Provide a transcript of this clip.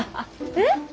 えっ！？